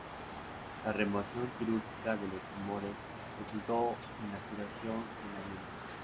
La remoción quirúrgica de los tumores resultó en la curación de la anemia.